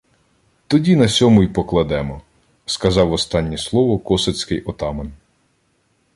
— Тоді на сьому й покладемо! — сказав останнє слово косацький отаман.